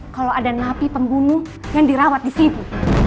kalau ada napi pembunuh yang dirawat di situ